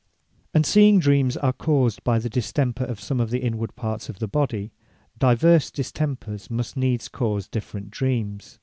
And seeing dreames are caused by the distemper of some of the inward parts of the Body; divers distempers must needs cause different Dreams.